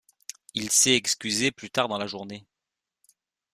Il s'est excusé plus tard dans la journée.